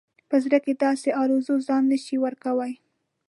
په زړه کې داسې آرزو ځای نه شي ورکولای.